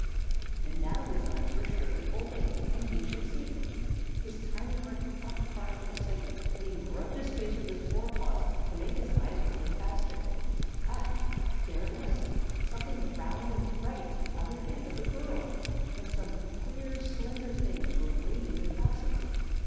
And now his eyes were surely opening and he should see! His tiny heart thumped hard with excitement, and he rubbed his face with his forepaws to make his eyes open faster. Ah! There it was; something round and bright at the other end of the burrow, and some queer, slender things were waving across it.